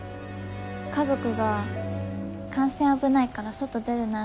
家族が「感染危ないから外出るな」